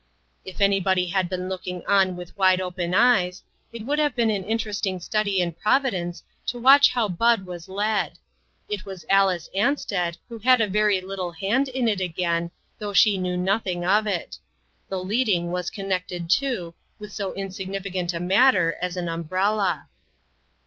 If anybody had been looking on with wide open eyes, it would have been an interest ing study in Providence to watch how Bud was led. It was Alice Ansted who had a very little hand in it again, though she knew nothing of it. The " leading " was connected, too, with so insignificant a matter as an umbrella.